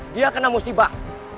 dia kena musibah